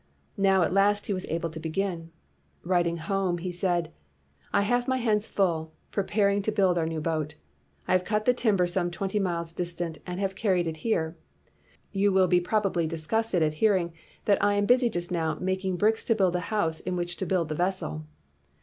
Now, at last he was able to begin. Writing home, he said: "I have my hands full, preparing to build our new boat. I have cut the timber some twenty miles distant, and have carried it here. You will be probably disgusted at hearing that I am busy just now making bricks to build a house in which to build the vessel.